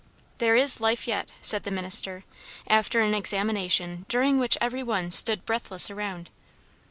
"There is life yet," said the minister, after an examination during which every one stood breathless around.